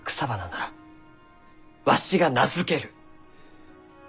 ならわしが名付ける！